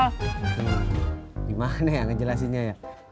hmm gimana ya ngejelasinnya ya